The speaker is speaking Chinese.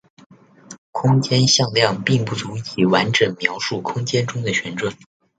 空间向量并不足以完整描述空间中的旋转。